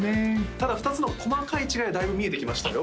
ただ２つの細かい違いはだいぶ見えてきましたよ